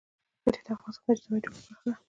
ښتې د افغانستان د اجتماعي جوړښت برخه ده.